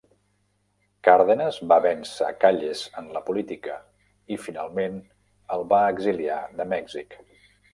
Cárdenas va vèncer Calles en la política, i finalment el va exiliar de Mèxic.